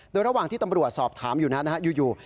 โดยระหว่างที่ตำรวจสอบถามอยู่นะฮะอยู่